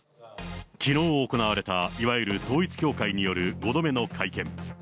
きのう行われたいわゆる統一教会による５度目の会見。